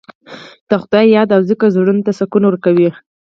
د خدای یاد او ذکر زړونو ته سکون ورکوي.